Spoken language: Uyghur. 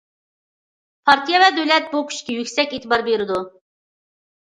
پارتىيە ۋە دۆلەت بۇ كۈچكە يۈكسەك ئېتىبار بېرىدۇ.